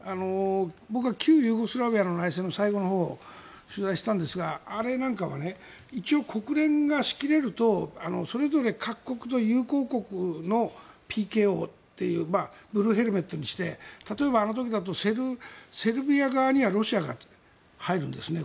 僕は旧ユーゴスラビアの内戦の最後のほう取材したんですがあれなんかはね一応、国連が仕切れるとそれぞれ各国と友好国のＰＫＯというブルーヘルメットにして例えば、あの時だとセルビア側にはロシアが入るんですね。